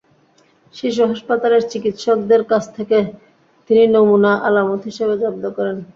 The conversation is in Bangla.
শিশু হাসপাতালের চিকিৎসকদের কাছ থেকে তিনি নমুনা আলামত হিসেবে জব্দ করেন।